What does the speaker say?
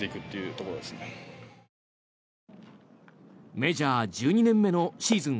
メジャー１２年目のシーズン